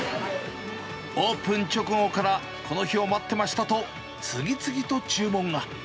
オープン直後からこの日を待ってましたと、次々と注文が。